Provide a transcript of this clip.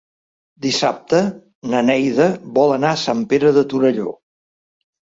Dissabte na Neida vol anar a Sant Pere de Torelló.